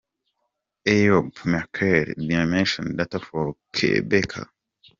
Eyob Metkel – Dimension Data for Qhubeka “”